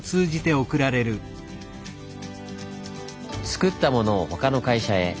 つくったものをほかの会社へ。